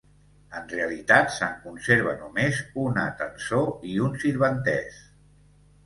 En realitat, se'n conserva només una tençó i un sirventès.